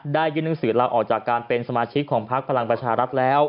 ยื่นหนังสือลาออกจากการเป็นสมาชิกของพักพลังประชารัฐแล้ว